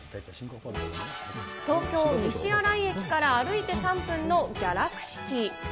東京・西新井駅から歩いて３分のギャラクシティ。